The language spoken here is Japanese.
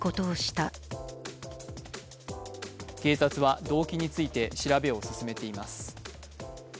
警察は動機について調べを進めています。